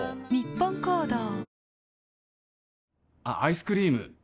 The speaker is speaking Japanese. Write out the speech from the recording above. あっアイスクリーム